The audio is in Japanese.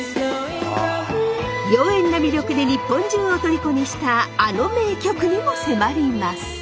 妖艶な魅力で日本中をとりこにしたあの名曲にも迫ります！